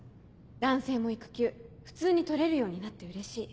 「男性も育休普通に取れるようになってうれしい」。